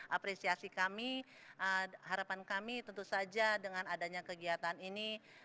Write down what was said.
apresiasi kami harapan kami tentu saja dengan adanya kegiatan ini